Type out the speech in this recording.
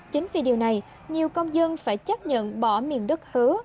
chính vì điều này nhiều công dân phải chấp nhận bỏ miền đất hứa